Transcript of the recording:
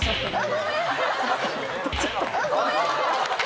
ごめん！